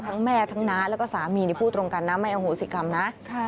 แม่ทั้งน้าแล้วก็สามีพูดตรงกันนะไม่อโหสิกรรมนะ